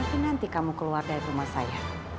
ini nanti kamu keluar dari rumah saya